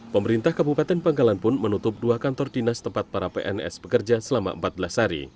pemerintah kabupaten pangkalan pun menutup dua kantor dinas tempat para pns bekerja selama empat belas hari